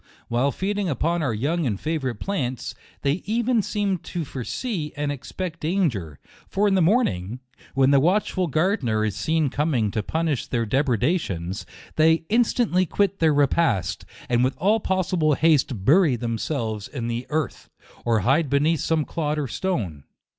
While feeding upon our young and favorite plants, they even seem to foresee and expect danger ; for in the morning, when the watchful gardener is seen coming to punish their depredations, they instantly quit their repast, and with all possi ble haste bury themselves in the earth, or hide beneath some clod or stone.